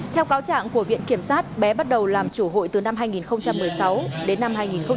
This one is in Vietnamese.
theo cáo trạng của viện kiểm sát bé bắt đầu làm chủ hụi từ năm hai nghìn một mươi sáu đến năm hai nghìn một mươi bảy